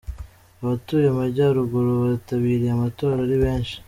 Abatuye Amajyaruguru bitabiriye amatora ari benshi.